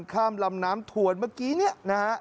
ข้ามลำน้ำถวนเมื่อกี้เนี่ยนะฮะ